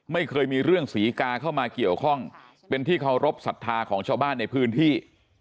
ไม่เคยมีเรื่องศรีกาเข้ามาเกี่ยวข้องเป็นที่เคารพสัทธาของชาวบ้านในพื้นที่